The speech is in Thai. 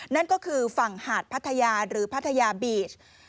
นั่นก็คือฝั่งหาดพัทยาหรือพัทยาบีช